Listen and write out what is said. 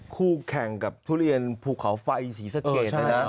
คู่แข่งกับทุเรียนภูเขาไฟศรีสะเกดเลยนะ